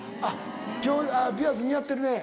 今日ピアス似合ってるね。